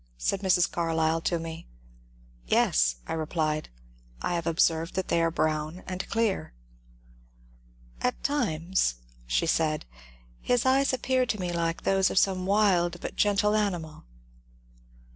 " said Mrs. Carlyle to me. " Yes," I replied, " I have observed that they are brown and clear." " At times," she said, ^* his eyes appear to* me like those of some wild but gen tle animal."